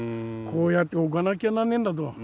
こうやっておかなきゃなんねんだど。